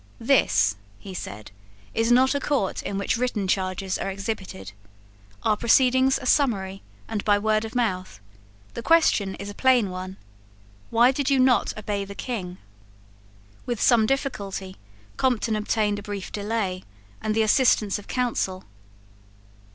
"This," he said, "is not a court in which written charges are exhibited. Our proceedings are summary, and by word of mouth. The question is a plain one. Why did you not obey the King?" With some difficulty Compton obtained a brief delay, and the assistance of counsel.